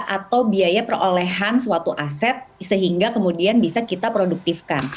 atau biaya perolehan suatu aset sehingga kemudian bisa kita produktifkan